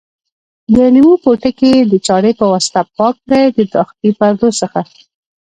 د لیمو پوټکي د چاړې په واسطه پاک کړئ د داخلي پردو څخه.